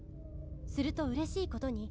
「すると嬉しいことに」